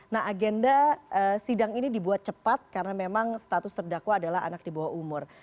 nah agenda sidang ini dibuat cepat karena memang status terdakwa adalah anak di bawah umur